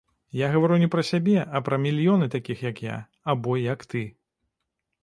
Я гавару не пра сябе, а пра мільёны такіх, як я, або як ты.